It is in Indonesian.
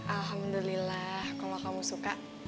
alhamdulillah kalau kamu suka